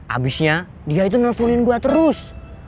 abisnya dia itu nelfonin gua terus